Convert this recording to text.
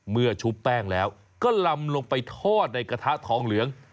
ชุบแป้งแล้วก็ลำลงไปทอดในกระทะทองเหลือง